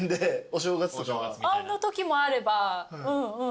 のときもあればうんうん。